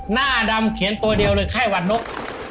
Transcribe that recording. หน้าดำเขียนตัวเดียวเลยไข้หวัดนก